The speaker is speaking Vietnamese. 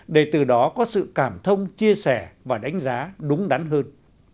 để từ đó có sự cảm thông chia sẻ và đánh giá đúng đắn hơn